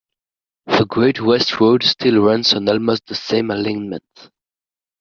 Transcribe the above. The Great West Road still runs on almost the same alignment.